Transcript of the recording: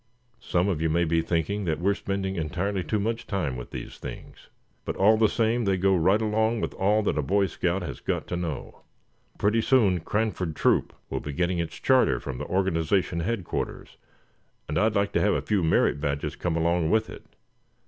"Some of you may be thinking that we're spending entirely too much time with these things; but all the same they go right along with all that a Boy Scout has got to know. Pretty soon Cranford Troop will be getting its charter from the organization headquarters, and I'd like to have a few merit badges come along with it.